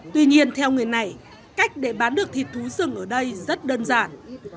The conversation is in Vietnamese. tuy nhiên theo người này cách để bán được thịt thú sưng ở đây rất đơn giản